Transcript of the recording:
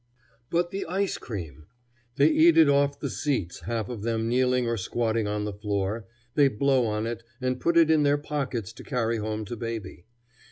But the ice cream! They eat it off the seats, half of them kneeling or squatting on the floor; they blow on it, and put it in their pockets to carry home to baby.